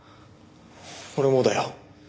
俺もだよ。